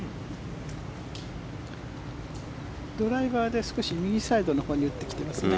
ドライバーで少し右サイドのほうに打ってきていますね。